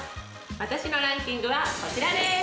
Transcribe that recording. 私のランキングはこちらです。